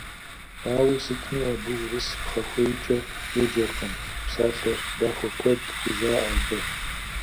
Ауэ сытми абы урыс пхъэхуейкӀэ еджэркъым, псалъэ дахэ куэд хужаӀэ абы.